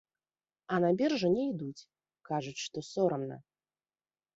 А на біржу не ідуць, кажуць, што сорамна.